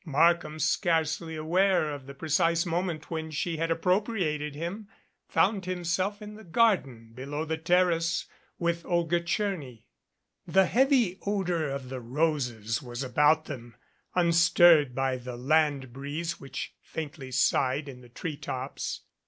Markham, scarcely aware of the precise moment when she had appropriated him, found himself in the garden below the terrace with Olga Tcherny. The heavy odor of the roses was about them, unstirred by the land breeze which faintly sighed in the treetops.